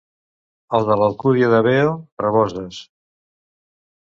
Els de l'Alcúdia de Veo, raboses.